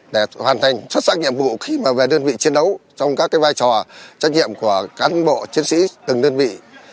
để hoàn thành xuất sắc nhiệm vụ khi mà về đơn vị chiến đấu trong các vai trò trách nhiệm của cán bộ chiến sĩ từng đơn vị